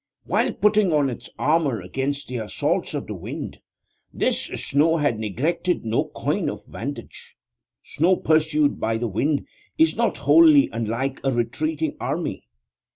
While putting on its armour against the assaults of the wind, this snow had neglected no coign of vantage. Snow pursued by the wind is not wholly unlike a retreating army.